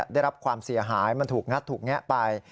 ได้รับความเสียหายมันถูกงัดถูกแงะไป